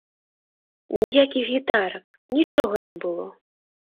Ніякіх гітарак, нічога не было!